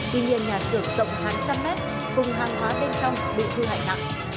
vì nền nhà xưởng rộng hàng trăm mét cùng hàng hóa bên trong bị thư hại nặng